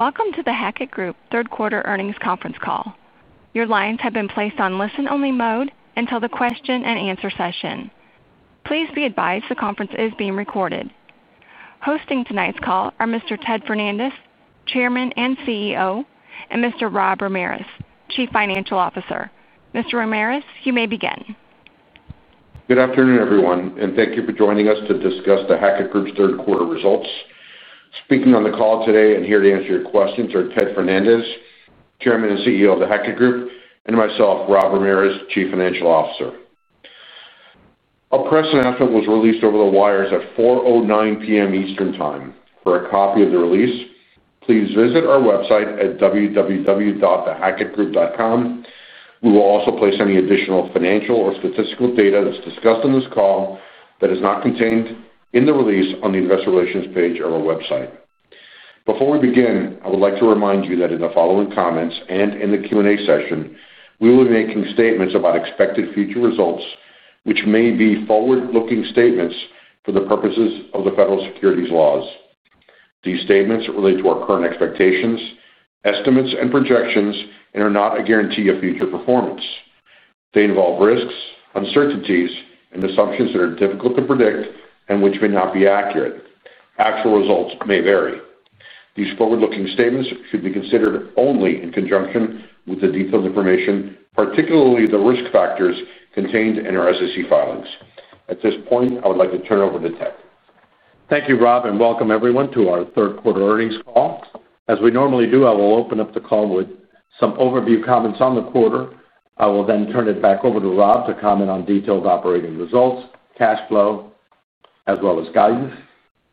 Welcome to The Hackett Group Third Quarter Earnings Conference Call. Your lines have been placed on listen-only mode until the question and answer session. Please be advised the conference is being recorded. Hosting tonight's call are Mr. Ted Fernandez, Chairman and CEO, and Mr. Rob Ramirez, Chief Financial Officer. Mr. Ramirez, you may begin. Good afternoon, everyone, and thank you for joining us to discuss The Hackett Group's third quarter results. Speaking on the call today and here to answer your questions are Ted Fernandez, Chairman and CEO of The Hackett Group, and myself, Rob Ramirez, Chief Financial Officer. A press announcement was released over the wires at 4:09 P.M. Eastern Time. For a copy of the release, please visit our website at www.thehackettgroup.com. We will also place any additional financial or statistical data that's discussed in this call that is not contained in the release on the Investor Relations page of our website. Before we begin, I would like to remind you that in the following comments and in the Q&A session, we will be making statements about expected future results, which may be forward-looking statements for the purposes of the federal securities laws. These statements relate to our current expectations, estimates, and projections, and are not a guarantee of future performance. They involve risks, uncertainties, and assumptions that are difficult to predict and which may not be accurate. Actual results may vary. These forward-looking statements should be considered only in conjunction with the detailed information, particularly the risk factors contained in our SEC filings. At this point, I would like to turn it over to Ted. Thank you, Rob, and welcome everyone to our third quarter earnings call. As we normally do, I will open up the call with some overview comments on the quarter. I will then turn it back over to Rob to comment on detailed operating results, cash flow, as well as guidance.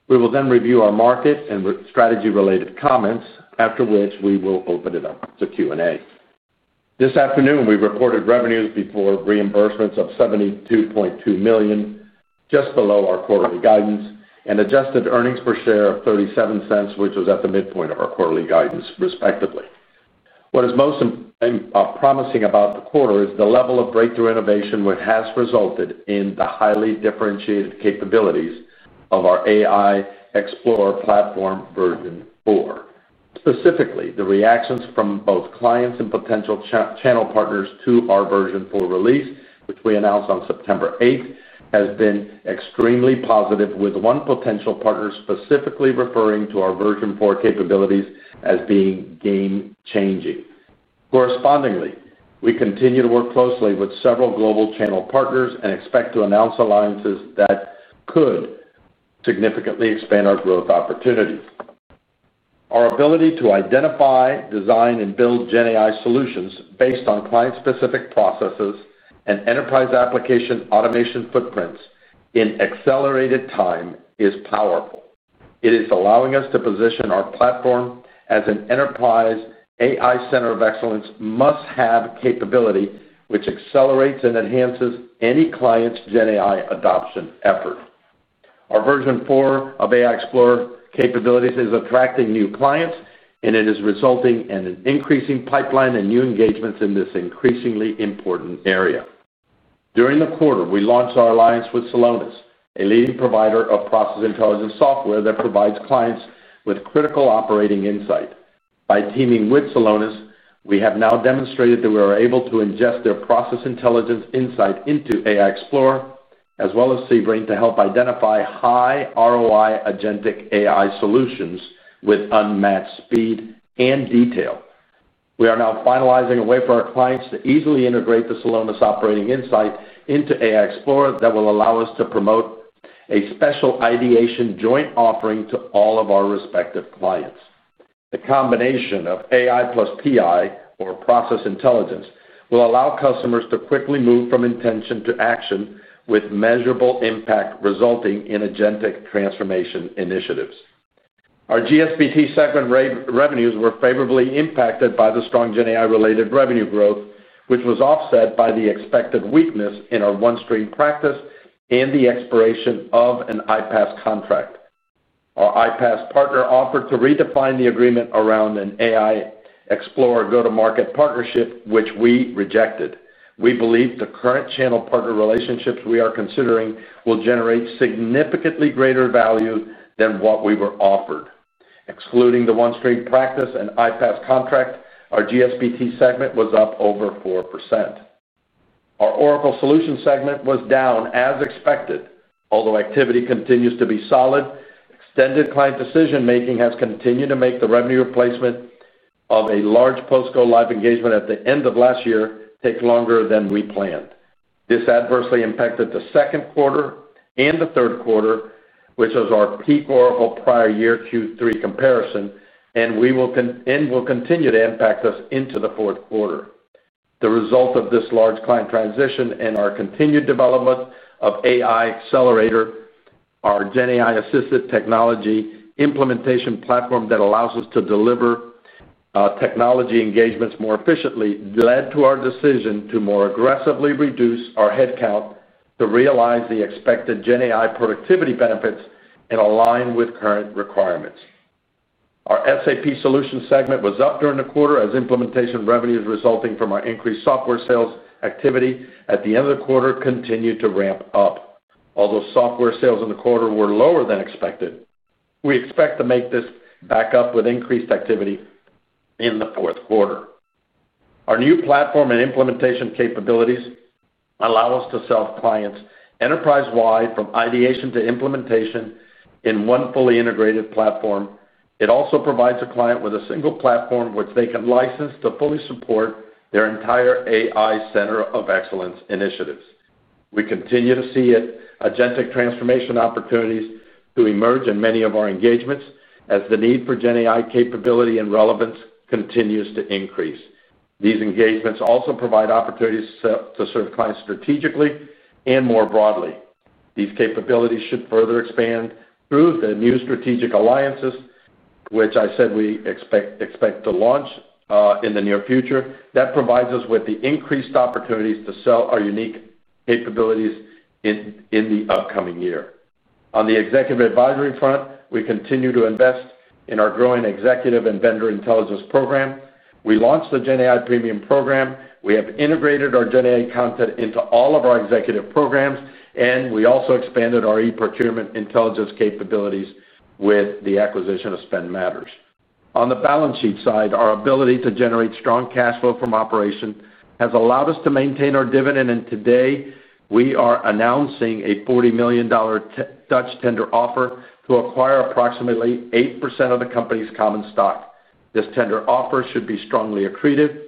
We will then review our market and strategy-related comments, after which we will open it up to Q&A. This afternoon, we recorded revenues before reimbursements of $72.2 million, just below our quarterly guidance, and adjusted earnings per share of $0.37, which was at the midpoint of our quarterly guidance, respectively. What is most promising about the quarter is the level of breakthrough innovation which has resulted in the highly differentiated capabilities of our AI Explorer platform version four. Specifically, the reactions from both clients and potential channel partners to our version four release, which we announced on September 8th, have been extremely positive, with one potential partner specifically referring to our version four capabilities as being game-changing. Correspondingly, we continue to work closely with several global channel partners and expect to announce alliances that could significantly expand our growth opportunities. Our ability to identify, design, and build GenAI solutions based on client-specific processes and enterprise application automation footprints in accelerated time is powerful. It is allowing us to position our platform as an enterprise AI center of excellence must-have capability, which accelerates and enhances any client's GenAI adoption effort. Our version four of AI Explorer capabilities is attracting new clients, and it is resulting in an increasing pipeline and new engagements in this increasingly important area. During the quarter, we launched our alliance with Celonis, a leading provider of process intelligence software that provides clients with critical operating insight. By teaming with Celonis, we have now demonstrated that we are able to ingest their process intelligence insight into AI Explorer, as well as ZBrain, to help identify high ROI agentic AI solutions with unmatched speed and detail. We are now finalizing a way for our clients to easily integrate the Celonis operating insight into AI Explorer that will allow us to promote a special ideation joint offering to all of our respective clients. The combination of AI plus PI, or process intelligence, will allow customers to quickly move from intention to action with measurable impact resulting in agentic transformation initiatives. Our GS&BT segment revenues were favorably impacted by the strong GenAI-related revenue growth, which was offset by the expected weakness in our OneStream practice and the expiration of an iPaaS contract. Our iPaaS partner offered to redefine the agreement around an AI Explorer go-to-market partnership, which we rejected. We believe the current channel partner relationships we are considering will generate significantly greater value than what we were offered. Excluding the OneStream practice and iPaaS contract, our GS&BT segment was up over 4%. Our Oracle solutions segment was down as expected. Although activity continues to be solid, extended client decision-making has continued to make the revenue replacement of a large Postco live engagement at the end of last year take longer than we planned. This adversely impacted the second quarter and the third quarter, which was our peak Oracle prior year Q3 comparison, and will continue to impact us into the fourth quarter. The result of this large client transition and our continued development of AI Accelerator, our GenAI-assisted technology implementation platform that allows us to deliver technology engagements more efficiently, led to our decision to more aggressively reduce our headcount to realize the expected GenAI productivity benefits and align with current requirements. Our SAP solutions segment was up during the quarter, as implementation revenues resulting from our increased software sales activity at the end of the quarter continued to ramp up. Although software sales in the quarter were lower than expected, we expect to make this back up with increased activity in the fourth quarter. Our new platform and implementation capabilities allow us to sell clients enterprise-wide from ideation to implementation in one fully integrated platform. It also provides a client with a single platform which they can license to fully support their entire AI center of excellence initiatives. We continue to see agentic transformation opportunities to emerge in many of our engagements as the need for GenAI capability and relevance continues to increase. These engagements also provide opportunities to serve clients strategically and more broadly. These capabilities should further expand through the new strategic alliances, which I said we expect to launch in the near future. That provides us with the increased opportunities to sell our unique capabilities in the upcoming year. On the executive advisory front, we continue to invest in our growing executive and vendor intelligence program. We launched the GenAI Premium program. We have integrated our GenAI content into all of our executive programs, and we also expanded our e-procurement intelligence capabilities with the acquisition of Spend Matters. On the balance sheet side, our ability to generate strong cash flow from operation has allowed us to maintain our dividend, and today we are announcing a $40 million Dutch tender offer to acquire approximately 8% of the company's common stock. This tender offer should be strongly accretive,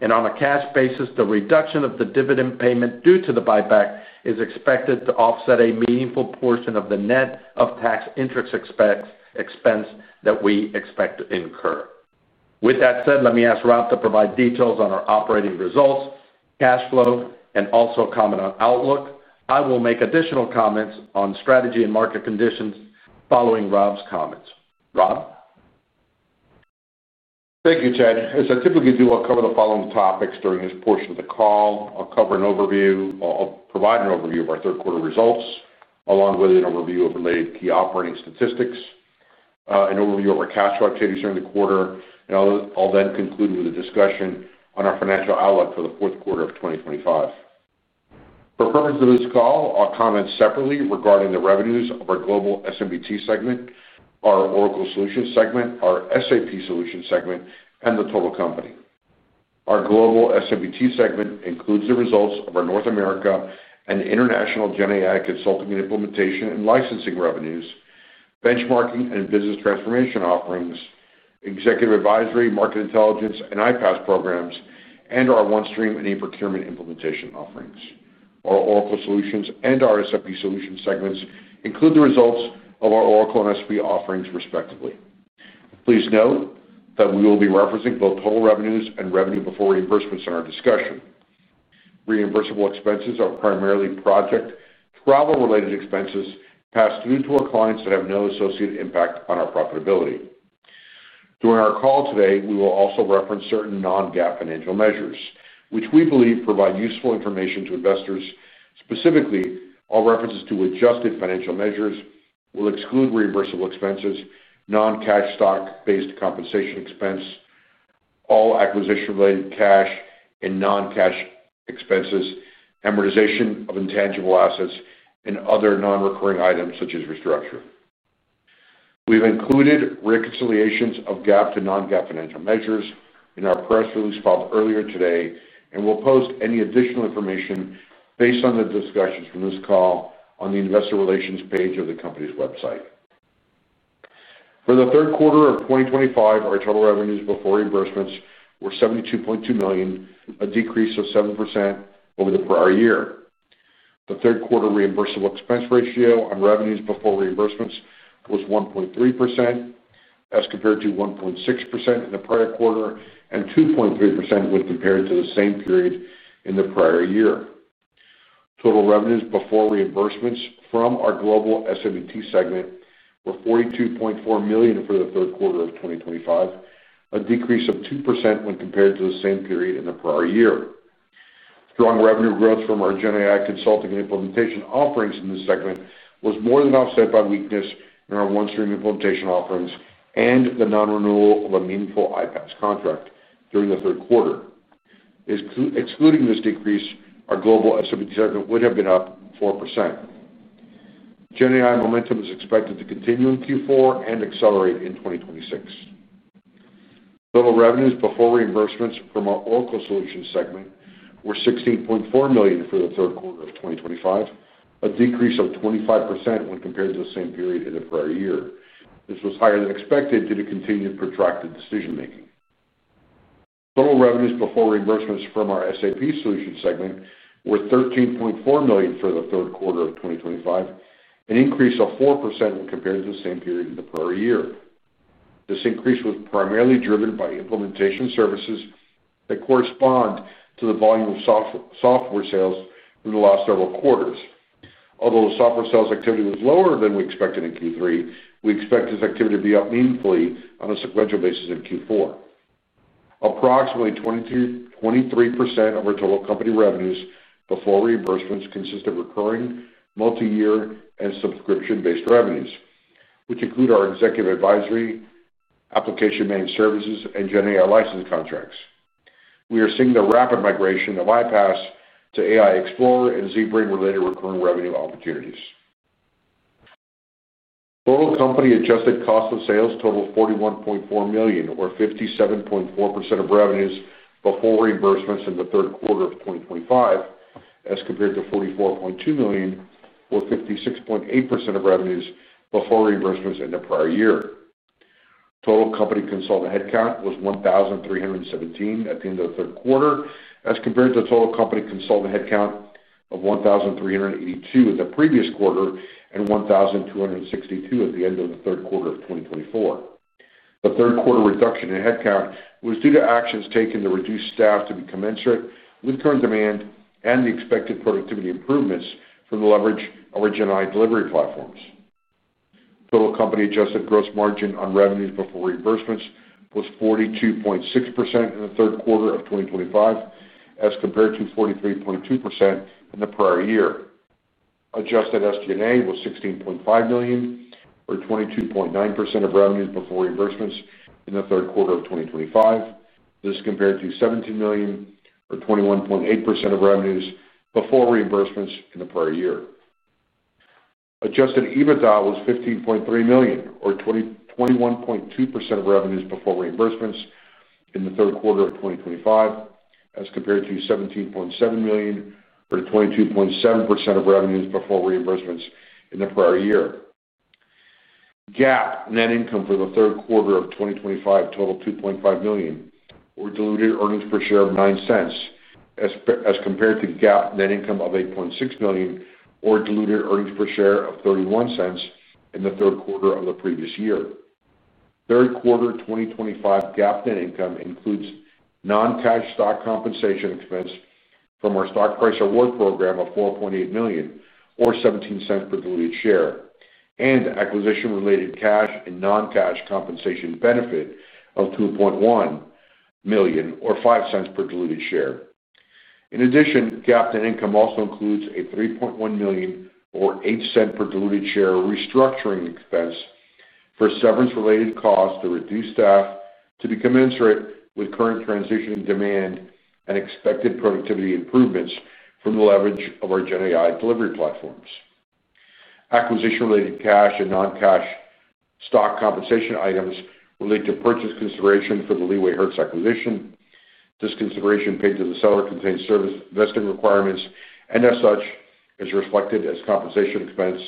and on a cash basis, the reduction of the dividend payment due to the buyback is expected to offset a meaningful portion of the net of tax interest expense that we expect to incur. With that said, let me ask Rob to provide details on our operating results, cash flow, and also comment on outlook. I will make additional comments on strategy and market conditions following Rob's comments. Rob? Thank you, Ted. As I typically do, I'll cover the following topics during this portion of the call. I'll cover an overview, or provide an overview of our third quarter results, along with an overview of related key operating statistics. An overview of our cash flow activity during the quarter, and I'll then conclude with a discussion on our financial outlook for the fourth quarter of 2025. For purposes of this call, I'll comment separately regarding the revenues of our global GSBT segment, our Oracle Solutions segment, our SAP Solutions segment, and the total company. Our global GSBT segment includes the results of our North America and international GenAI consulting and implementation and licensing revenues, benchmarking and business transformation offerings, executive advisory, market intelligence, and iPaaS programs, and our OneStream and e-procurement implementation offerings, while Oracle Solutions and our SAP Solutions segments include the results of our Oracle and SAP offerings, respectively. Please note that we will be referencing both total revenues and revenue before reimbursements in our discussion. Reimbursable expenses are primarily project travel-related expenses passed through to our clients that have no associated impact on our profitability. During our call today, we will also reference certain non-GAAP financial measures, which we believe provide useful information to investors. Specifically, our references to adjusted financial measures will exclude reimbursable expenses, non-cash stock-based compensation expense, all acquisition-related cash and non-cash expenses, amortization of intangible assets, and other non-recurring items such as restructure. We've included reconciliations of GAAP to non-GAAP financial measures in our press release filed earlier today, and we'll post any additional information based on the discussions from this call on the Investor Relations page of the company's website. For the third quarter of 2025, our total revenues before reimbursements were $72.2 million, a decrease of 7% over the prior year. The third quarter reimbursable expense ratio on revenues before reimbursements was 1.3%. As compared to 1.6% in the prior quarter and 2.3% when compared to the same period in the prior year. Total revenues before reimbursements from our global GSBT segment were $42.4 million for the third quarter of 2025, a decrease of 2% when compared to the same period in the prior year. Strong revenue growth from our GenAI consulting and implementation offerings in this segment was more than offset by weakness in our OneStream implementation offerings and the non-renewal of a meaningful iPaaS contract during the third quarter. Excluding this decrease, our global GS&BT segment would have been up 4%. GenAI momentum is expected to continue in Q4 and accelerate in 2026. Total revenues before reimbursements from our Oracle Solutions segment were $16.4 million for the third quarter of 2025, a decrease of 25% when compared to the same period in the prior year. This was higher than expected due to continued protracted decision-making. Total revenues before reimbursements from our SAP Solutions segment were $13.4 million for the third quarter of 2025, an increase of 4% when compared to the same period in the prior year. This increase was primarily driven by implementation services that correspond to the volume of software sales in the last several quarters. Although the software sales activity was lower than we expected in Q3, we expect this activity to be up meaningfully on a sequential basis in Q4. Approximately 23% of our total company revenues before reimbursements consist of recurring multi-year and subscription-based revenues, which include our executive advisory, application-managed services, and GenAI license contracts. We are seeing the rapid migration of iPaaS to AI Explorer and ZBrain-related recurring revenue opportunities. Total company adjusted cost of sales totaled $41.4 million, or 57.4% of revenues before reimbursements in the third quarter of 2025, as compared to $44.2 million, or 56.8% of revenues before reimbursements in the prior year. Total company consultant headcount was 1,317 at the end of the third quarter, as compared to total company consultant headcount of 1,382 the previous quarter and 1,262 at the end of the third quarter of 2024. The third quarter reduction in headcount was due to actions taken to reduce staff to be commensurate with current demand and the expected productivity improvements from the leverage of our GenAI delivery platforms. Total company adjusted gross margin on revenues before reimbursements was 42.6% in the third quarter of 2025, as compared to 43.2% in the prior year. Adjusted SG&A was $16.5 million, or 22.9% of revenues before reimbursements in the third quarter of 2025. This is compared to $17 million, or 21.8% of revenues before reimbursements in the prior year. Adjusted EBITDA was $15.3 million, or 21.2% of revenues before reimbursements in the third quarter of 2025, as compared to $17.7 million, or 22.7% of revenues before reimbursements in the prior year. GAAP net income for the third quarter of 2025 totaled $2.5 million, or diluted earnings per share of $0.09. As compared to GAAP net income of $8.6 million, or diluted earnings per share of $0.31 in the third quarter of the previous year. Third quarter 2025 GAAP net income includes non-cash stock compensation expense from our stock price award program of $4.8 million, or $0.17 per diluted share, and acquisition-related cash and non-cash compensation benefit of $2.1 million, or $0.05 per diluted share. In addition, GAAP net income also includes a $3.1 million, or $0.08 per diluted share, restructuring expense for severance-related costs to reduce staff to be commensurate with current transition demand and expected productivity improvements from the leverage of our GenAI delivery platforms. Acquisition-related cash and non-cash stock compensation items relate to purchase consideration for the LeewayHertz acquisition. This consideration paid to the seller contains service vesting requirements and, as such, is reflected as compensation expense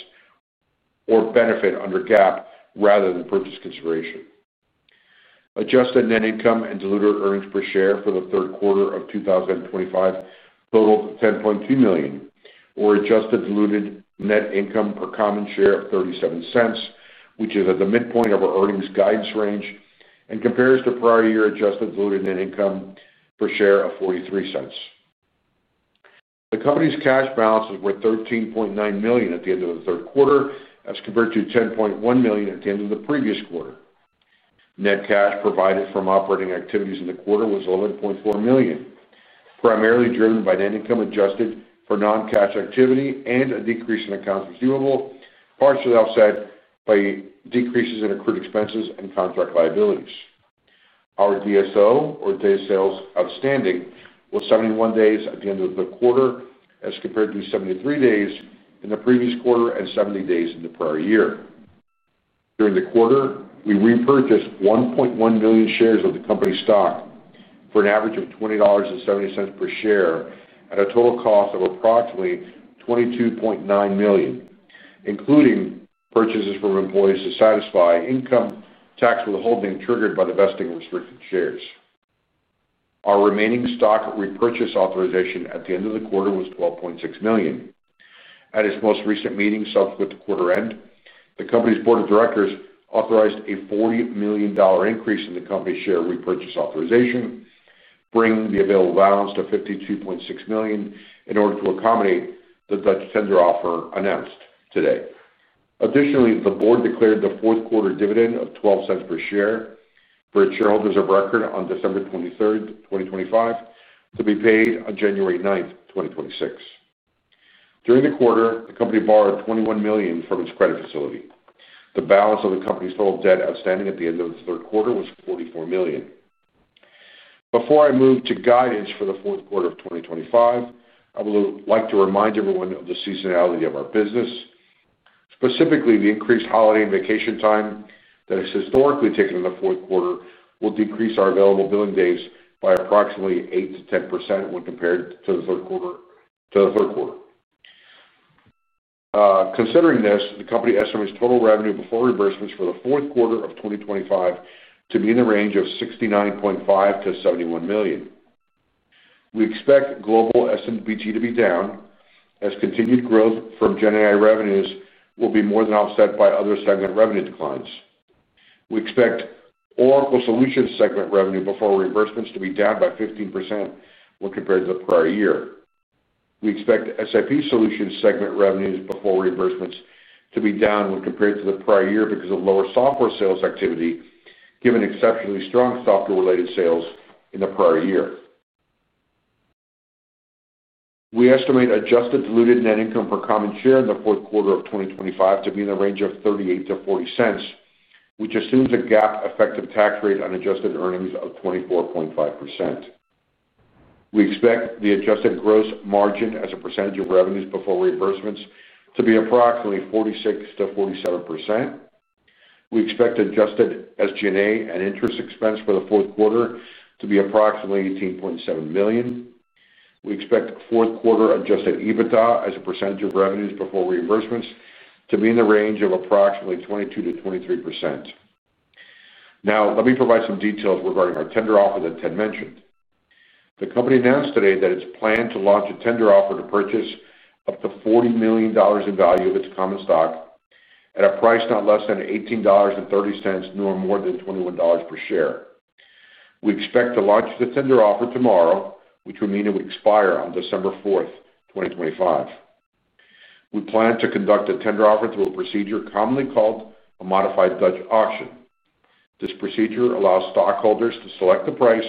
or benefit under GAAP rather than purchase consideration. Adjusted net income and diluted earnings per share for the third quarter of 2025 totaled $10.2 million, or adjusted diluted net income per common share of $0.37, which is at the midpoint of our earnings guidance range and compares to prior year adjusted diluted net income per share of $0.43. The company's cash balances were $13.9 million at the end of the third quarter, as compared to $10.1 million at the end of the previous quarter. Net cash provided from operating activities in the quarter was $11.4 million, primarily driven by net income adjusted for non-cash activity and a decrease in accounts receivable, partially offset by decreases in accrued expenses and contract liabilities. Our DSO, or Days Sales Outstanding, was 71 days at the end of the quarter, as compared to 73 days in the previous quarter and 70 days in the prior year. During the quarter, we repurchased 1.1 million shares of the company stock for an average of $20.70 per share at a total cost of approximately $22.9 million, including purchases from employees to satisfy income tax withholding triggered by the vesting of restricted shares. Our remaining stock repurchase authorization at the end of the quarter was $12.6 million. At its most recent meeting subsequent to quarter end, the company's board of directors authorized a $40 million increase in the company share repurchase authorization, bringing the available balance to $52.6 million in order to accommodate the Dutch tender offer announced today. Additionally, the board declared the fourth quarter dividend of $0.12 per share for its shareholders of record on December 23rd, 2025, to be paid on January 9th, 2026. During the quarter, the company borrowed $21 million from its credit facility. The balance of the company's total debt outstanding at the end of the third quarter was $44 million. Before I move to guidance for the fourth quarter of 2025, I would like to remind everyone of the seasonality of our business. Specifically, the increased holiday and vacation time that is historically taken in the fourth quarter will decrease our available billing days by approximately 8%-10% when compared to the third quarter. Considering this, the company estimates total revenue before reimbursements for the fourth quarter of 2025 to be in the range of $69.5 million-$71 million. We expect GSBT to be down, as continued growth from GenAI revenues will be more than offset by other segment revenue declines. We expect Oracle solutions segment revenue before reimbursements to be down by 15% when compared to the prior year. We expect SAP solutions segment revenues before reimbursements to be down when compared to the prior year because of lower software sales activity, given exceptionally strong software-related sales in the prior year. We estimate adjusted diluted net income per common share in the fourth quarter of 2025 to be in the range of $0.38-$0.40, which assumes a GAAP effective tax rate on adjusted earnings of 24.5%. We expect the adjusted gross margin as a percentage of revenues before reimbursements to be approximately 46%-47%. We expect adjusted SG&A and interest expense for the fourth quarter to be approximately $18.7 million. We expect fourth quarter adjusted EBITDA as a percentage of revenues before reimbursements to be in the range of approximately 22%-23%. Now, let me provide some details regarding our tender offer that Ted mentioned. The company announced today that it's planned to launch a tender offer to purchase up to $40 million in value of its common stock at a price not less than $18.30, nor more than $21 per share. We expect to launch the tender offer tomorrow, which would mean it would expire on December 4th, 2025. We plan to conduct a tender offer through a procedure commonly called a modified Dutch auction. This procedure allows stockholders to select a price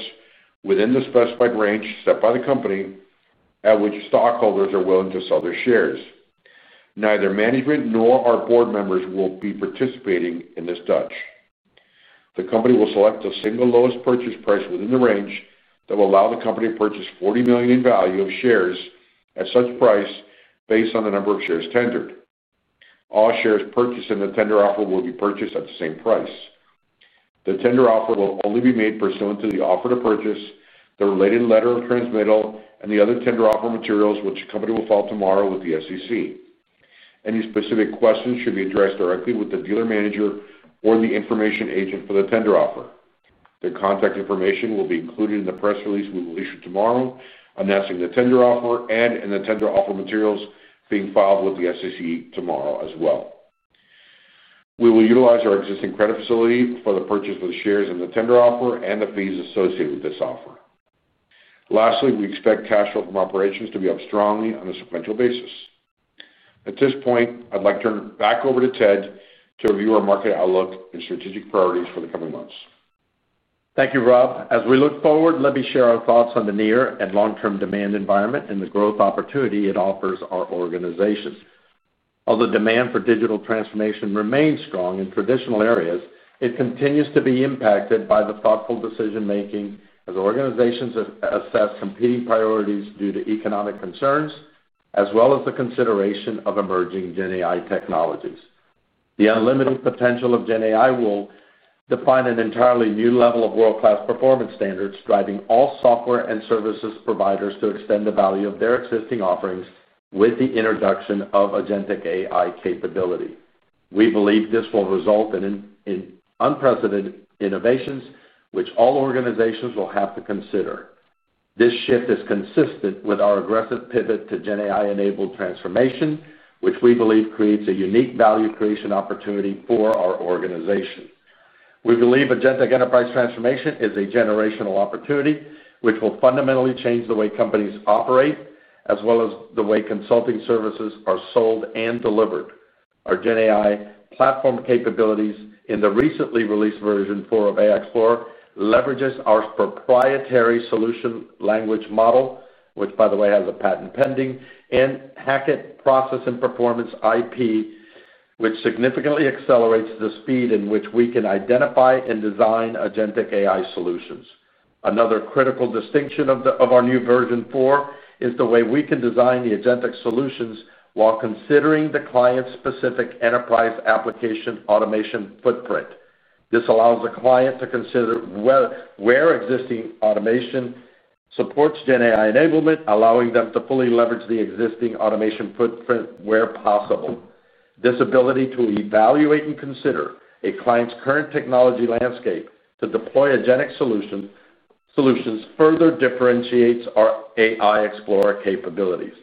within the specified range set by the company. At which stockholders are willing to sell their shares. Neither management nor our board members will be participating in this Dutch. The company will select a single lowest purchase price within the range that will allow the company to purchase $40 million in value of shares at such price based on the number of shares tendered. All shares purchased in the tender offer will be purchased at the same price. The tender offer will only be made pursuant to the offer to purchase, the related letter of transmittal, and the other tender offer materials, which the company will file tomorrow with the SEC. Any specific questions should be addressed directly with the dealer manager or the information agent for the tender offer. The contact information will be included in the press release we will issue tomorrow, announcing the tender offer and in the tender offer materials being filed with the SEC tomorrow as well. We will utilize our existing credit facility for the purchase of the shares in the tender offer and the fees associated with this offer. Lastly, we expect cash flow from operations to be up strongly on a sequential basis. At this point, I'd like to turn it back over to Ted to review our market outlook and strategic priorities for the coming months. Thank you, Rob. As we look forward, let me share our thoughts on the near and long-term demand environment and the growth opportunity it offers our organizations. Although demand for digital transformation remains strong in traditional areas, it continues to be impacted by the thoughtful decision-making as organizations assess competing priorities due to economic concerns, as well as the consideration of emerging GenAI technologies. The unlimited potential of GenAI will define an entirely new level of world-class performance standards, driving all software and services providers to extend the value of their existing offerings with the introduction of agentic AI capability. We believe this will result in unprecedented innovations, which all organizations will have to consider. This shift is consistent with our aggressive pivot to GenAI-enabled transformation, which we believe creates a unique value creation opportunity for our organization. We believe agentic enterprise transformation is a generational opportunity, which will fundamentally change the way companies operate, as well as the way consulting services are sold and delivered. Our GenAI platform capabilities in the recently released version 4 of AI Explorer leverages our proprietary solution language model, which, by the way, has a patent pending, and Hackett Process and Performance IP, which significantly accelerates the speed in which we can identify and design agentic AI solutions. Another critical distinction of our new version 4 is the way we can design the agentic solutions while considering the client-specific enterprise application automation footprint. This allows the client to consider where existing automation supports GenAI enablement, allowing them to fully leverage the existing automation footprint where possible. This ability to evaluate and consider a client's current technology landscape to deploy agentic solutions further differentiates our AI Explorer capabilities.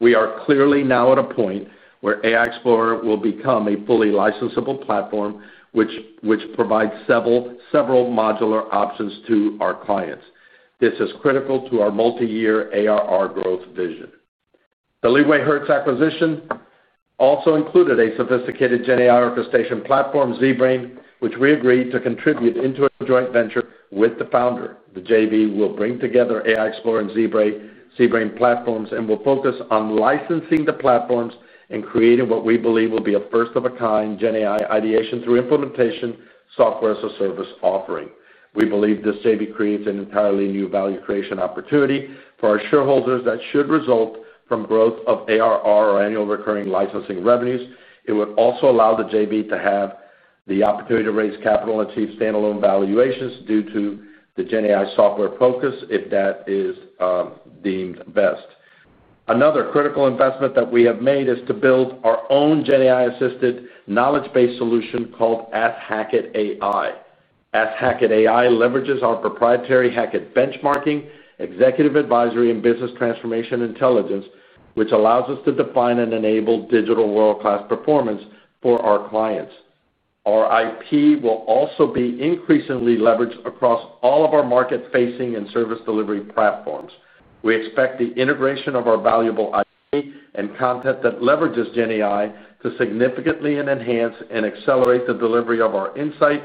We are clearly now at a point where AI Explorer will become a fully licensable platform, which provides several modular options to our clients. This is critical to our multi-year ARR growth vision. The LeewayHertz acquisition also included a sophisticated GenAI orchestration platform, ZBrain, which we agreed to contribute into a joint venture with the founder. The JV will bring together AI Explorer and ZBrain platforms and will focus on licensing the platforms and creating what we believe will be a first-of-a-kind GenAI ideation through implementation software as a service offering. We believe this JV creates an entirely new value creation opportunity for our shareholders that should result from growth of ARR or annual recurring licensing revenues. It would also allow the JV to have the opportunity to raise capital and achieve standalone valuations due to the GenAI software focus, if that is deemed best. Another critical investment that we have made is to build our own GenAI-assisted knowledge-based solution called @HackettAI. @HackettAI leverages our proprietary Hackett benchmarking, executive advisory, and business transformation intelligence, which allows us to define and enable digital world-class performance for our clients. Our IP will also be increasingly leveraged across all of our market-facing and service delivery platforms. We expect the integration of our valuable IP and content that leverages GenAI to significantly enhance and accelerate the delivery of our insight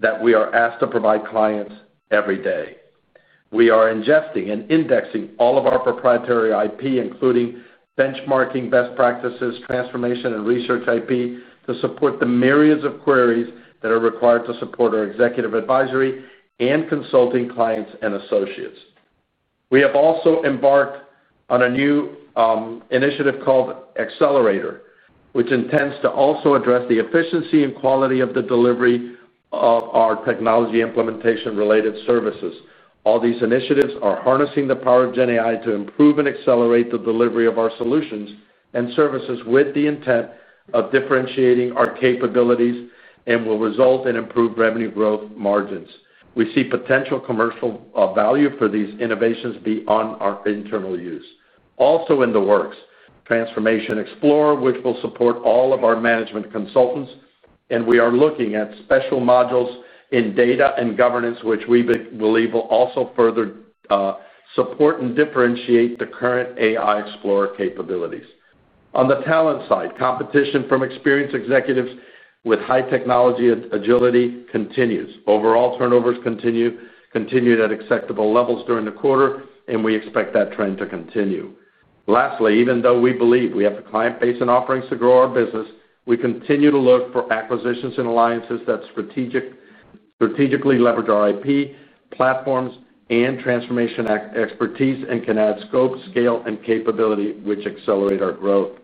that we are asked to provide clients every day. We are ingesting and indexing all of our proprietary IP, including benchmarking, best practices, transformation, and research IP to support the myriads of queries that are required to support our executive advisory and consulting clients and associates. We have also embarked on a new initiative called Accelerator, which intends to also address the efficiency and quality of the delivery of our technology implementation-related services. All these initiatives are harnessing the power of GenAI to improve and accelerate the delivery of our solutions and services with the intent of differentiating our capabilities and will result in improved revenue growth margins. We see potential commercial value for these innovations beyond our internal use. Also in the works, Transformation Explorer, which will support all of our management consultants, and we are looking at special modules in data and governance, which we believe will also further support and differentiate the current AI Explorer capabilities. On the talent side, competition from experienced executives with high technology agility continues. Overall turnovers continued at acceptable levels during the quarter, and we expect that trend to continue. Lastly, even though we believe we have a client base and offerings to grow our business, we continue to look for acquisitions and alliances that strategically leverage our IP platforms and transformation expertise and can add scope, scale, and capability, which accelerate our growth.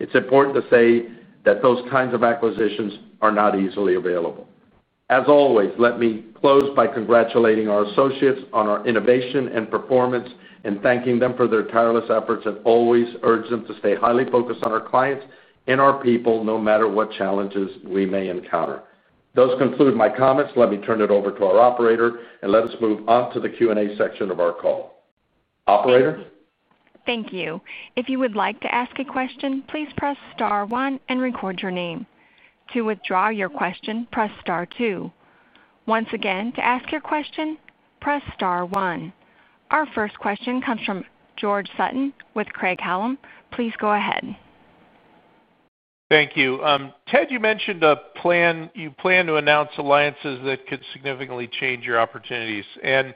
It's important to say that those kinds of acquisitions are not easily available. As always, let me close by congratulating our associates on our innovation and performance and thanking them for their tireless efforts and always urging them to stay highly focused on our clients and our people, no matter what challenges we may encounter. Those conclude my comments. Let me turn it over to our operator, and let us move on to the Q&A section of our call. Operator. Thank you. If you would like to ask a question, please press star one and record your name. To withdraw your question, press star two. Once again, to ask your question, press star one. Our first question comes from George Sutton with Craig-Hallum. Please go ahead. Thank you. Ted, you mentioned a plan to announce alliances that could significantly change your opportunities. And.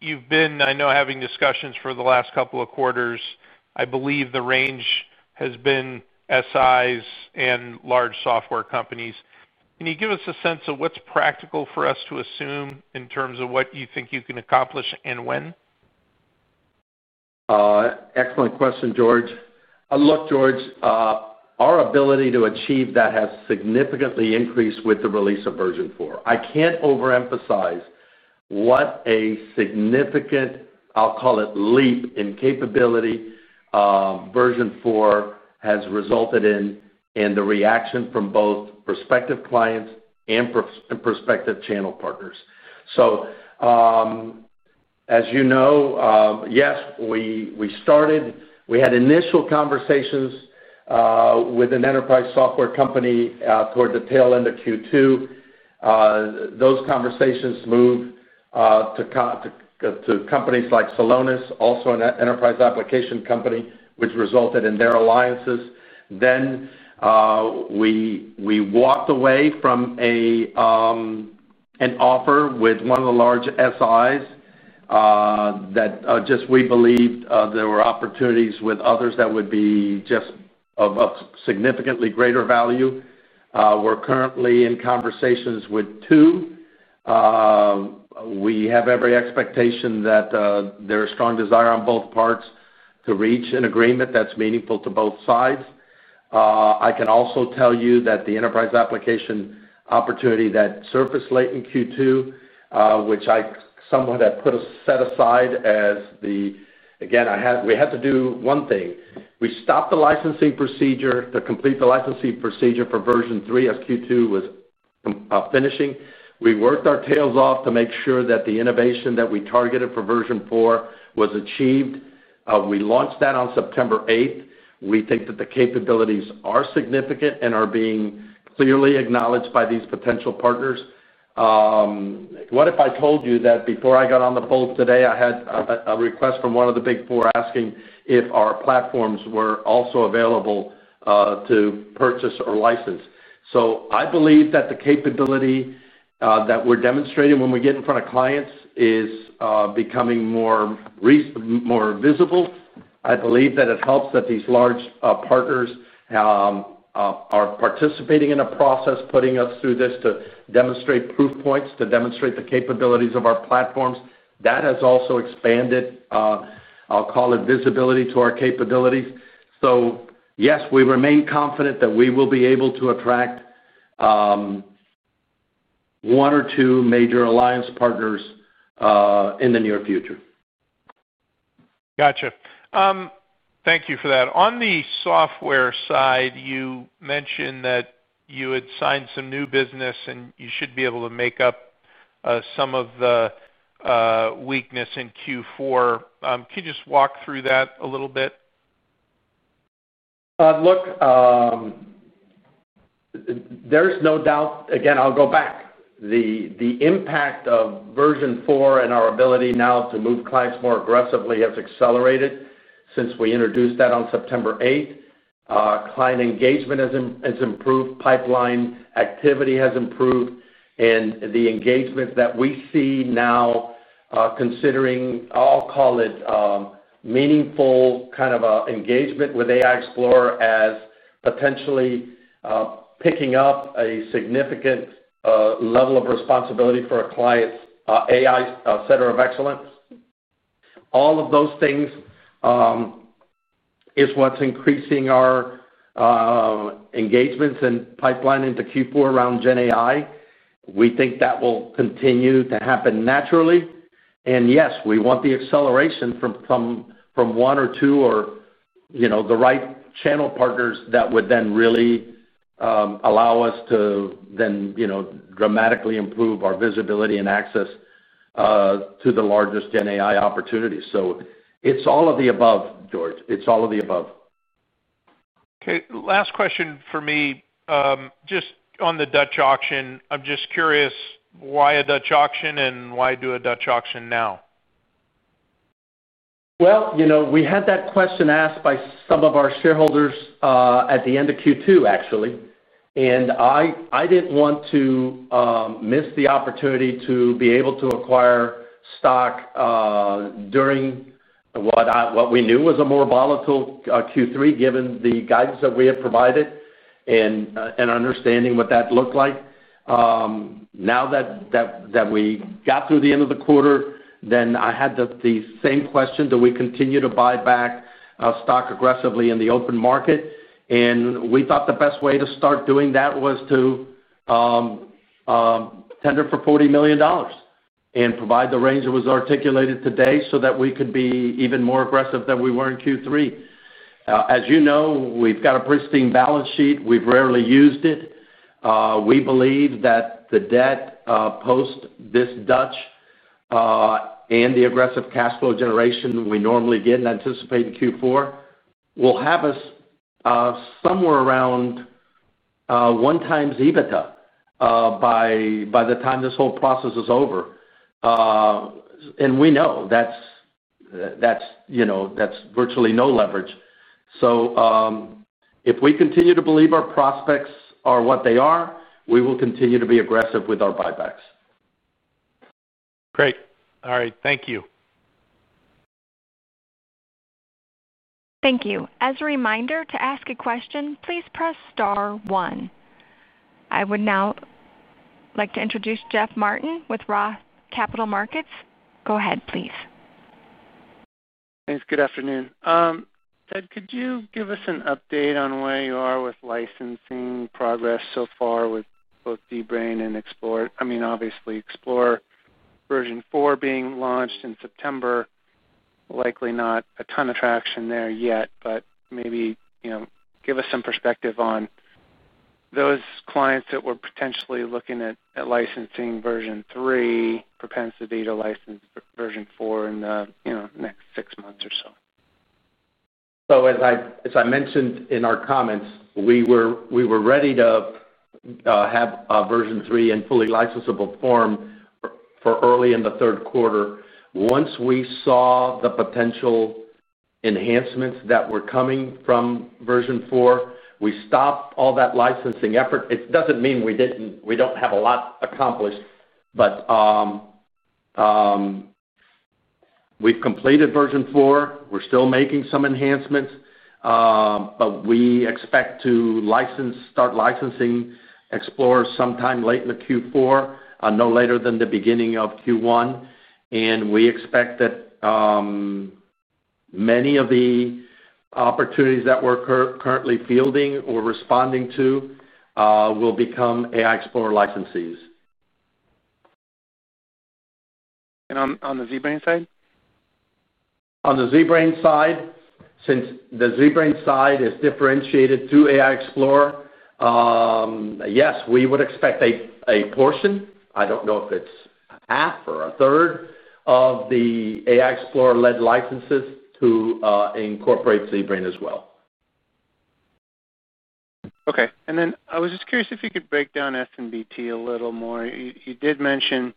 You've been, I know, having discussions for the last couple of quarters. I believe the range has been SIs and large software companies. Can you give us a sense of what's practical for us to assume in terms of what you think you can accomplish and when? Excellent question, George. Look, George. Our ability to achieve that has significantly increased with the release of version 4. I can't overemphasize what a significant, I'll call it leap, in capability. Version 4 has resulted in and the reaction from both prospective clients and prospective channel partners. So. As you know, yes, we started. We had initial conversations. With an enterprise software company toward the tail end of Q2. Those conversations moved. To. Companies like Celonis, also an enterprise application company, which resulted in their alliances. Then. We walked away from. An offer with one of the large SIs. That just we believed there were opportunities with others that would be just. Of significantly greater value. We're currently in conversations with two. We have every expectation that. There is strong desire on both parts to reach an agreement that's meaningful to both sides. I can also tell you that the enterprise application opportunity that surfaced late in Q2, which I somewhat had put aside as the. Again, we had to do one thing. We stopped the licensing procedure to complete the licensing procedure for version 3 as Q2 was finishing. We worked our tails off to make sure that the innovation that we targeted for version 4 was achieved. We launched that on September 8th. We think that the capabilities are significant and are being clearly acknowledged by these potential partners. What if I told you that before I got on the boat today, I had a request from one of the big four asking if our platforms were also available to purchase or license? So I believe that the capability that we're demonstrating when we get in front of clients is becoming more visible. I believe that it helps that these large partners are participating in a process, putting us through this to demonstrate proof points, to demonstrate the capabilities of our platforms. That has also expanded. I'll call it, visibility to our capabilities. So yes, we remain confident that we will be able to attract one or two major alliance partners in the near future. Gotcha. Thank you for that. On the software side, you mentioned that you had signed some new business, and you should be able to make up some of the weakness in Q4. Can you just walk through that a little bit? Look. There's no doubt again, I'll go back. The impact of version 4 and our ability now to move clients more aggressively has accelerated since we introduced that on September 8th. Client engagement has improved, pipeline activity has improved, and the engagement that we see now considering, I'll call it, meaningful kind of engagement with AI Explorer as potentially picking up a significant level of responsibility for a client's AI center of excellence. All of those things is what's increasing our engagements and pipeline into Q4 around GenAI. We think that will continue to happen naturally. And yes, we want the acceleration from one or two or the right channel partners that would then really allow us to then dramatically improve our visibility and access to the largest GenAI opportunities. So it's all of the above, George. It's all of the above. Okay. Last question for me. Just on the Dutch auction, I'm just curious why a Dutch auction and why do a Dutch auction now? Well, we had that question asked by some of our shareholders at the end of Q2, actually. And I didn't want to miss the opportunity to be able to acquire stock during what we knew was a more volatile Q3, given the guidance that we had provided and understanding what that looked like. Now that we got through the end of the quarter, then I had the same question. Do we continue to buy back stock aggressively in the open market? And we thought the best way to start doing that was to tender for $40 million. And provide the range that was articulated today so that we could be even more aggressive than we were in Q3. As you know, we've got a pristine balance sheet. We've rarely used it. We believe that the debt post this deal. And the aggressive cash flow generation we normally get and anticipate in Q4 will have us somewhere around 1x EBITDA by the time this whole process is over. And we know that's virtually no leverage. So if we continue to believe our prospects are what they are, we will continue to be aggressive with our buybacks. Great. All right. Thank you. Thank you. As a reminder, to ask a question, please press star one. I would now like to introduce Jeff Martin with ROTH Capital. Go ahead, please. Thanks. Good afternoon. Ted, could you give us an update on where you are with licensing progress so far with both ZBrain and Explorer? I mean, obviously, Explorer version 4 being launched in September. Likely not a ton of action there yet, but maybe give us some perspective on those clients that were potentially looking at licensing version 3, propensity to license version 4 in the next six months or so. So as I mentioned in our comments, we were ready to have a version 3 in fully licensable form for early in the third quarter. Once we saw the potential enhancements that were coming from version 4, we stopped all that licensing effort. It doesn't mean we don't have a lot accomplished, but we've completed version 4. We're still making some enhancements. But we expect to start licensing Explorer sometime late in the Q4, no later than the beginning of Q1. And we expect that many of the opportunities that we're currently fielding or responding to will become AI Explorer licenses. And on the ZBrain side? On the ZBrain side, since the ZBrain side is differentiated through AI Explorer. Yes, we would expect a portion. I don't know if it's half or a third of the AI Explorer-led licenses to incorporate ZBrain as well. Okay. And then I was just curious if you could break down GS&BT a little more. You did mention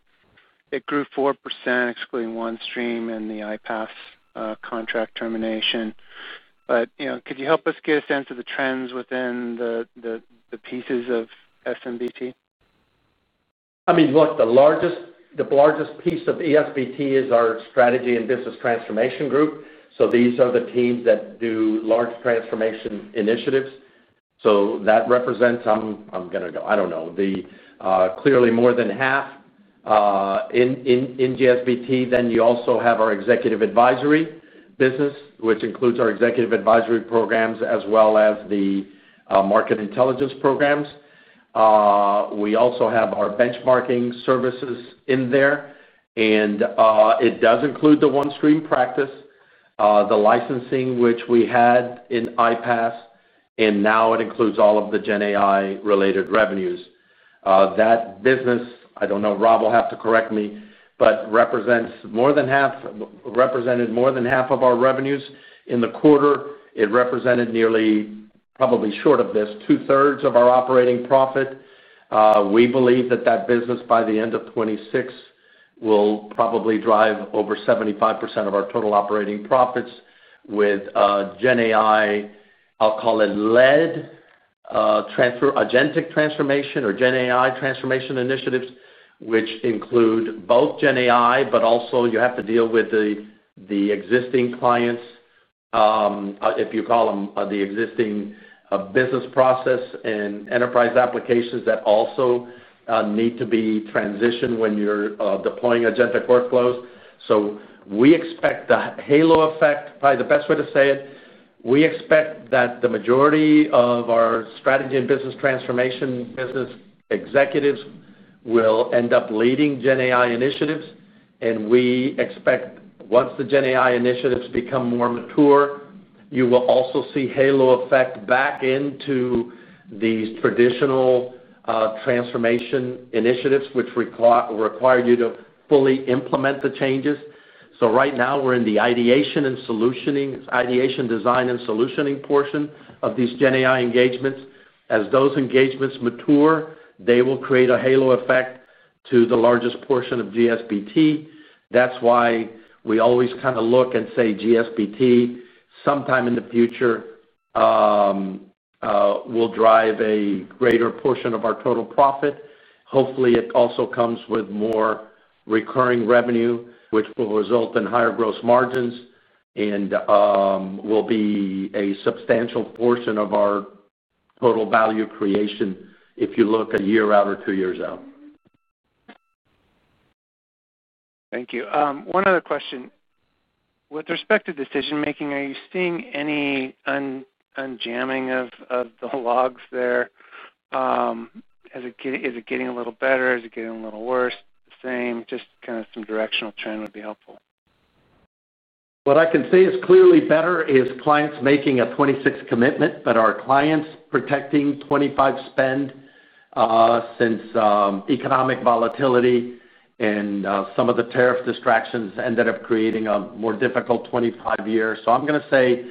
it grew 4%, excluding OneStream and the iPaaS contract termination. But could you help us get a sense of the trends within the pieces of GSBT? I mean, look, the largest piece of GS&BT is our strategy and business transformation group. So these are the teams that do large transformation initiatives. So that represents, I'm going to go, I don't know, clearly more than half. In GSBT, then you also have our executive advisory business, which includes our executive advisory programs as well as the market intelligence programs. We also have our benchmarking services in there. And it does include the OneStream practice, the licensing, which we had in iPaaS, and now it includes all of the GenAI-related revenues. That business, I don't know, Rob will have to correct me, but represented more than half of our revenues in the quarter. It represented nearly, probably short of this, 2/3 of our operating profit. We believe that that business, by the end of 2026, will probably drive over 75% of our total operating profits with GenAI, I'll call it, led. Agentic transformation or GenAI transformation initiatives, which include both GenAI, but also you have to deal with the existing clients, if you call them the existing business process and enterprise applications that also need to be transitioned when you're deploying agentic workflows. So we expect the halo effect, probably the best way to say it. We expect that the majority of our strategy and business transformation business executives will end up leading GenAI initiatives. And we expect once the GenAI initiatives become more mature, you will also see halo effect back into these traditional transformation initiatives, which require you to fully implement the changes. So right now, we're in the ideation and solutioning, ideation design and solutioning portion of these GenAI engagements. As those engagements mature, they will create a halo effect to the largest portion of GSBT. That's why we always kind of look and say GSBT sometime in the future will drive a greater portion of our total profit. Hopefully, it also comes with more recurring revenue, which will result in higher gross margins and will be a substantial portion of our total value creation if you look a year out or two years out. Thank you. One other question. With respect to decision-making, are you seeing any unjamming of the logjams there? Is it getting a little better? Is it getting a little worse? The same? Just kind of some directional trend would be helpful. What I can say is clearly better is clients making a 2026 commitment, but our clients protecting 2025 spend. Since economic volatility and some of the tariff distractions ended up creating a more difficult 2025 year. So I'm going to say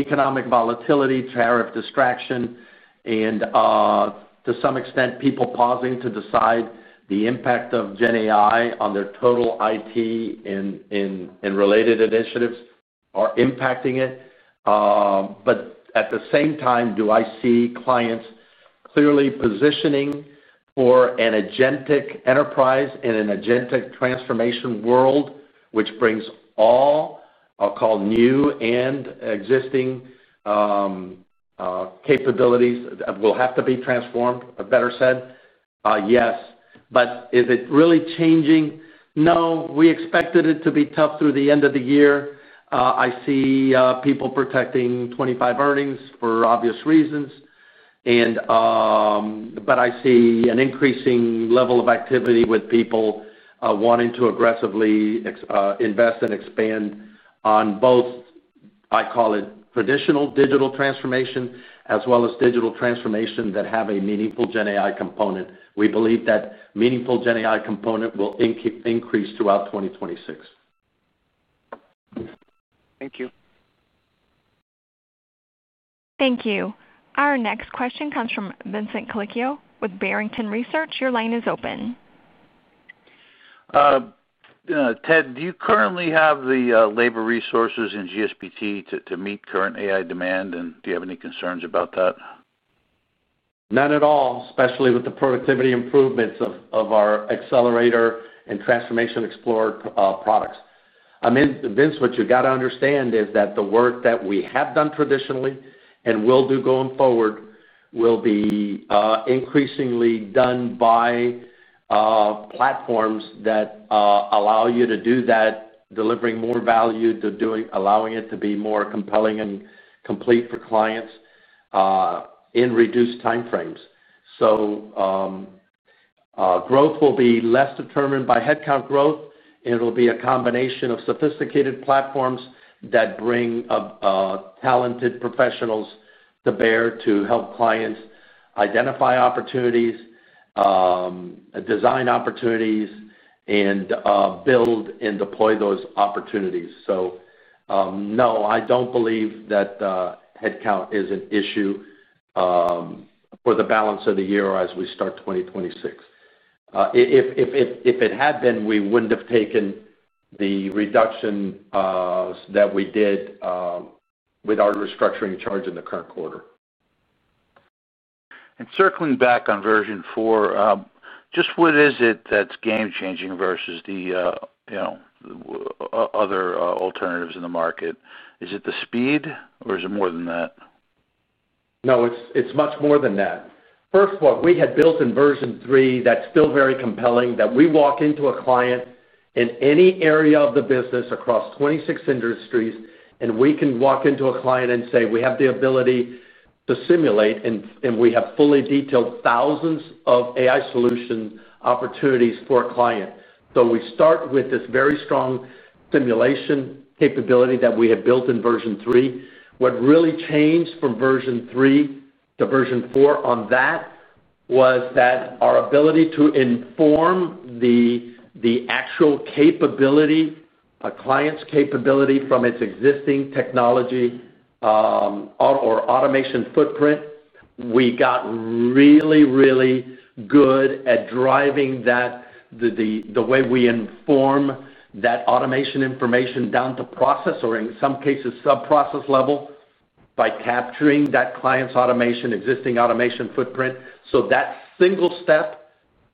economic volatility, tariff distraction, and to some extent, people pausing to decide the impact of GenAI on their total IT and related initiatives are impacting it. But at the same time, do I see clients clearly positioning for an agentic enterprise in an agentic transformation world, which brings all I'll call new and existing capabilities that will have to be transformed, a better said? Yes. But is it really changing? No, we expected it to be tough through the end of the year. I see people protecting 2025 earnings for obvious reasons. But I see an increasing level of activity with people wanting to aggressively invest and expand on both I call it traditional digital transformation as well as digital transformation that have a meaningful GenAI component. We believe that meaningful GenAI component will increase throughout 2026. Thank you. Thank you. Our next question comes from Vincent Colicchio with Barrington Research. Your line is open. Ted, do you currently have the labor resources in GSBT to meet current AI demand, and do you have any concerns about that? None at all, especially with the productivity improvements of our accelerator and transformation explorer products. Vince, what you got to understand is that the work that we have done traditionally and will do going forward will be increasingly done by platforms that allow you to do that, delivering more value, allowing it to be more compelling and complete for clients in reduced time frames. So, growth will be less determined by headcount growth, and it'll be a combination of sophisticated platforms that bring talented professionals to bear to help clients identify opportunities, design opportunities, and build and deploy those opportunities. So, no, I don't believe that headcount is an issue for the balance of the year as we start 2026. If it had been, we wouldn't have taken the reduction that we did with our restructuring charge in the current quarter. And circling back on version 4, just what is it that's game-changing versus the other alternatives in the market? Is it the speed, or is it more than that? No, it's much more than that. First of all, we had built in version 3 that's still very compelling that we walk into a client in any area of the business across 26 industries, and we can walk into a client and say, "We have the ability to simulate, and we have fully detailed thousands of AI solution opportunities for a client." So we start with this very strong simulation capability that we have built in version 3. What really changed from version 3 to version 4 on that was that our ability to inform the actual capability, a client's capability from its existing technology or automation footprint, we got really, really good at driving that. The way we inform that automation information down to process, or in some cases, sub-process level, by capturing that client's existing automation footprint. So that single step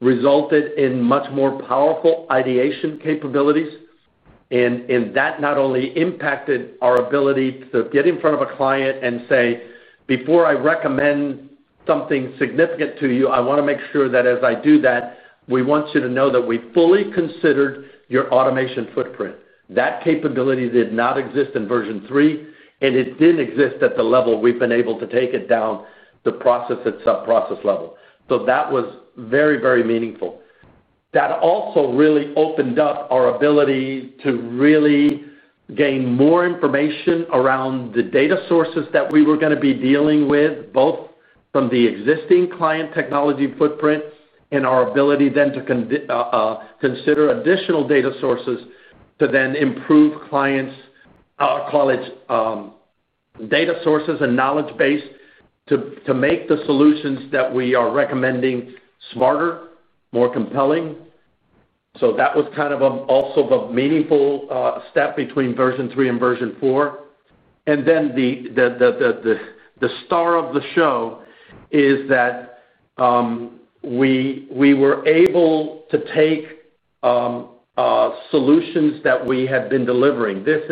resulted in much more powerful ideation capabilities. And that not only impacted our ability to get in front of a client and say, "Before I recommend something significant to you, I want to make sure that as I do that, we want you to know that we fully considered your automation footprint." That capability did not exist in version 3, and it didn't exist at the level we've been able to take it down the process level. So that was very, very meaningful. That also really opened up our ability to really gain more information around the data sources that we were going to be dealing with, both from the existing client technology footprint and our ability then to consider additional data sources to then improve clients, I'll call it. Data sources and knowledge base to make the solutions that we are recommending smarter, more compelling. So that was kind of also a meaningful step between version 3 and version 4. And then the star of the show is that we were able to take solutions that we had been delivering. This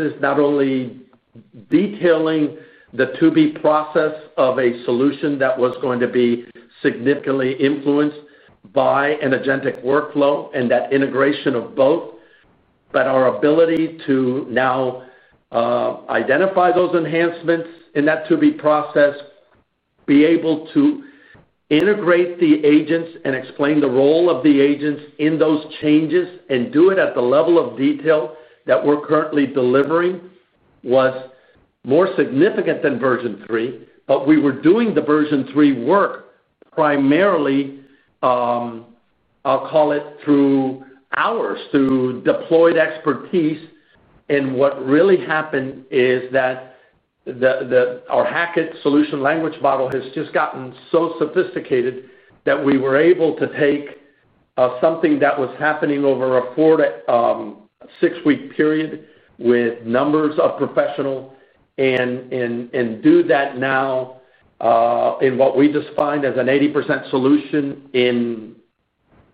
is not only detailing the to-be process of a solution that was going to be significantly influenced by an agentic workflow and that integration of both. But our ability to now identify those enhancements in that to-be process, be able to integrate the agents and explain the role of the agents in those changes and do it at the level of detail that we're currently delivering was more significant than version 3. But we were doing the version 3 work primarily. I'll call it, through hours, through deployed expertise. And what really happened is that our Hackett solution language model has just gotten so sophisticated that we were able to take something that was happening over a 4-6 week period with numbers of professionals and do that now in what we define as an 80% solution in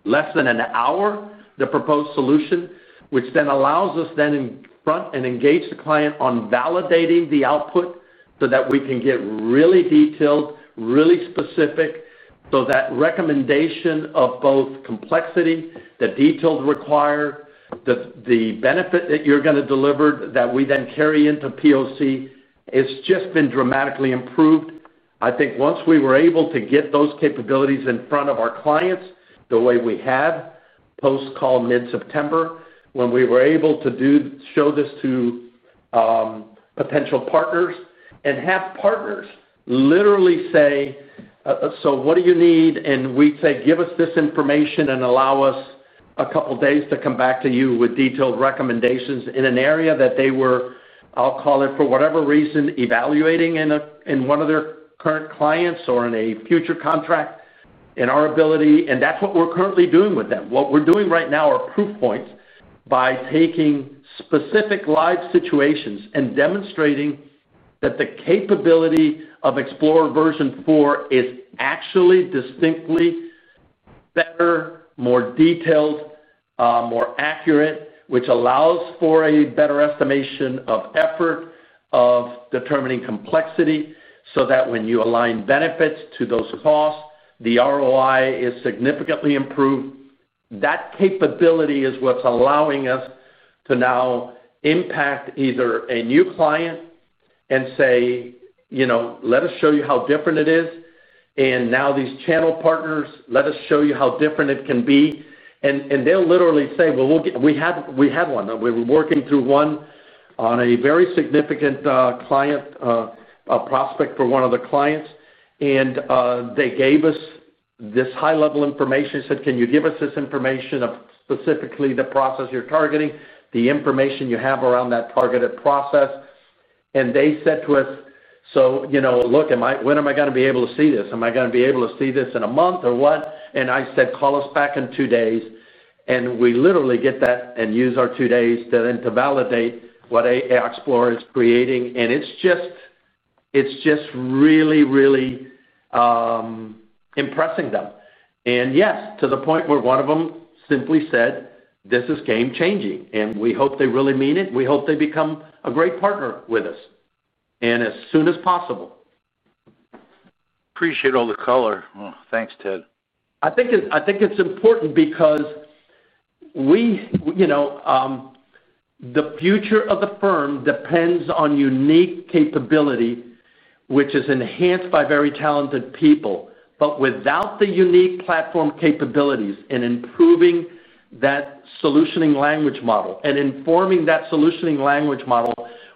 less than an hour, the proposed solution, which then allows us then in front and engage the client on validating the output so that we can get really detailed, really specific, so that recommendation of both complexity, the detail required, the benefit that you're going to deliver that we then carry into POC has just been dramatically improved. I think once we were able to get those capabilities in front of our clients the way we have post-call, mid-September, when we were able to show this to potential partners and have partners literally say, "So what do you need?" And we'd say, "Give us this information and allow us a couple of days to come back to you with detailed recommendations in an area that they were, I'll call it, for whatever reason, evaluating in one of their current clients or in a future contract in our ability." And that's what we're currently doing with them. What we're doing right now are proof points by taking specific live situations and demonstrating that the capability of Explorer version 4 is actually distinctly better, more detailed, more accurate, which allows for a better estimation of effort of determining complexity so that when you align benefits to those costs, the ROI is significantly improved. That capability is what's allowing us to now impact either a new client and say, "Let us show you how different it is." And now these channel partners, "Let us show you how different it can be." And they'll literally say, "Well, we had one. We were working through one on a very significant client prospect for one of the clients." And they gave us this high-level information. They said, "Can you give us this information of specifically the process you're targeting, the information you have around that targeted process?" And they said to us, "So." "Look, when am I going to be able to see this? Am I going to be able to see this in a month or what?" And I said, "Call us back in two days." And we literally get that and use our two days to then validate what Explorer is creating. And it's just really, really impressing them. And yes, to the point where one of them simply said, "This is game-changing." And we hope they really mean it. We hope they become a great partner with us and as soon as possible. Appreciate all the color. Thanks, Ted. I think it's important because the future of the firm depends on unique capability, which is enhanced by very talented people. But without the unique platform capabilities and improving that solutioning language model and informing that solutioning language model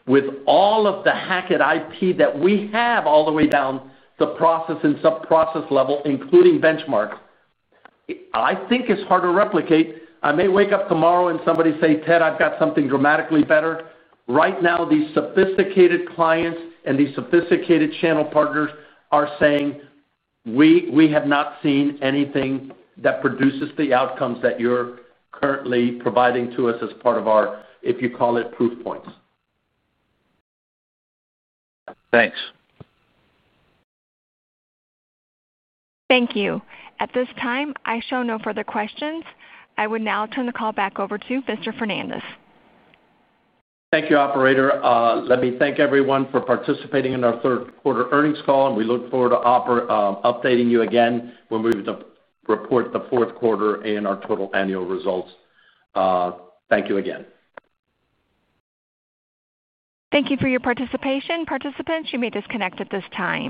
with all of the Hackett IP that we have all the way down the process and sub-process level, including benchmark, I think is hard to replicate. I may wake up tomorrow and somebody say, "Ted, I've got something dramatically better." Right now, these sophisticated clients and these sophisticated channel partners are saying, "We have not seen anything that produces the outcomes that you're currently providing to us as part of our, if you call it, proof points." Thanks. Thank you. At this time, I show no further questions. I will now turn the call back over to Mr. Fernandez. Thank you, operator. Let me thank everyone for participating in our third-quarter earnings call, and we look forward to updating you again when we report the fourth quarter and our total annual results. Thank you again. Thank you for your participation. Participants, you may disconnect at this time.